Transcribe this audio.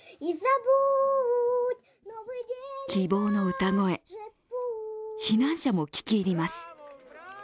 希望の歌声避難者も聞き入ります。